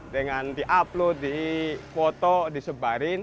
dengan diupload dipoto disebarin